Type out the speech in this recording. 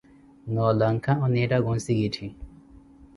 Noo lanka, oneettaka onsikitti.